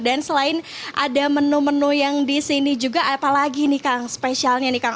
dan selain ada menu menu yang disini juga apa lagi nih kang spesialnya nih kang